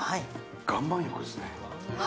岩盤浴ですね。